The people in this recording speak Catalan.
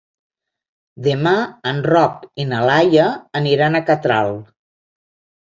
Demà en Roc i na Laia aniran a Catral.